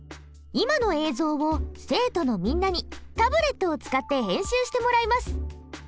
今の映像を生徒のみんなにタブレットを使って編集してもらいます。